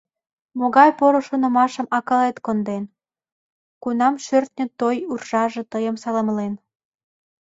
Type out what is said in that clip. Могай поро шонымашым Акылет конден, Кунам шӧртньӧ-той уржаже Тыйым саламлен?